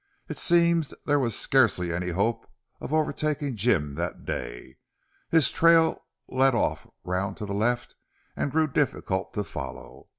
It seemed there was scarcely any hope of overtaking Jim that day. His trail led off round to the left and grew difficult to follow.